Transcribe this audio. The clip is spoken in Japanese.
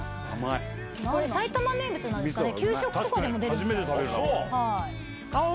これ埼玉名物なんですかね。